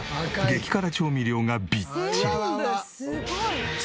激辛調味料がびっちり。